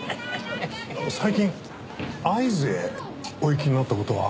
最近会津へお行きになった事は？